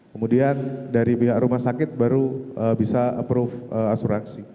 kemudian dari pihak rumah sakit baru bisa approve asuransi